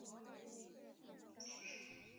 两侧兴建不少贵族豪宅府邸。